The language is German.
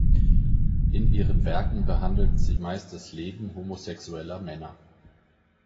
In ihren Werken behandelt sie meist das Leben homosexueller Männer.